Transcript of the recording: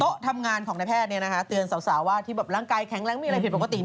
ทำงานของนายแพทย์เตือนสาวว่าที่ร่างกายแข็งแรงมีอะไรผิดปกติ